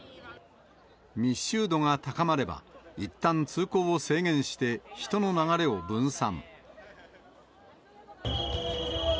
密集度が高まれば、いったん通行を制限して人の流れを分散。